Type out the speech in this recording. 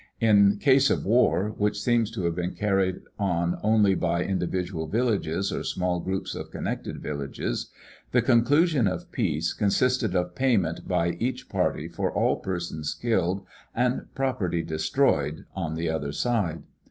In case of war, which seems to have been carried on only by indi vidual villages or small groups of connected villages, the conclu sion of peace consisted of payment by each party for all persons killed and property destroyed on the other side.